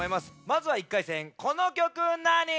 まずは１回戦この曲なに？